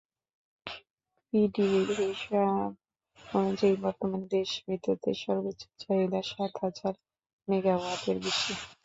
পিডিবির হিসাব অনুযায়ী, বর্তমানে দেশে বিদ্যুতের সর্বোচ্চ চাহিদা সাত হাজার মেগাওয়াটের বেশি।